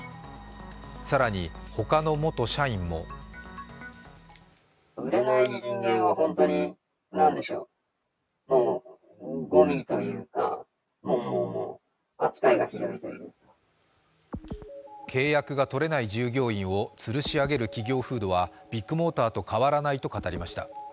更に、他の元社員も契約が取れない従業員を、つるし上げる企業風土はビッグモーターと変わらないと語りました。